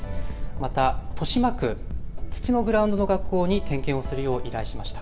また豊島区、土のグラウンドの学校に点検をするよう依頼しました。